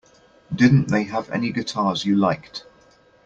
Didn't they have any guitars you liked?